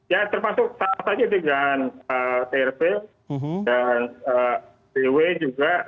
ya terpaksa saat ini dengan trp dan tw juga